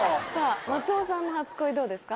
松尾さんの初恋どうですか？